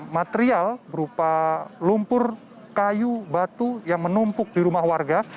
material berupa lumpur kayu batu yang menumpuk di rumah warga